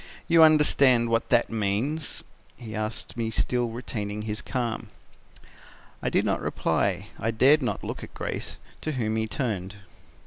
You understand what that means!' he asked me still retaining his calm. "I did not reply. I dared not look at Grace, to whom he turned.